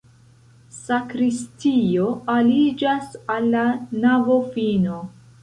Sakristio aliĝas al la navofino.